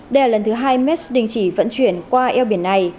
đây là lần thứ hai mes đình chỉ vận chuyển qua eo biển này